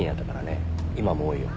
今も多いよ。